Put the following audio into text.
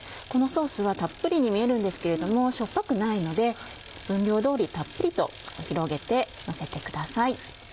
このソースはたっぷりに見えるんですけれどもしょっぱくないので分量通りたっぷりと広げてのせてください。